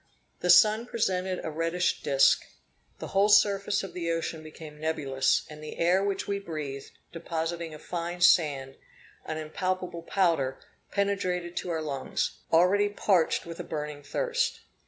The sun presented a reddish disk; the whole surface of the ocean became nebulous, and the air which we breathed, depositing a fine sand, an impalpable powder, penetrated to our lungs, already parched with a burning thirst.